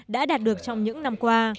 đã đạt được trong những năm qua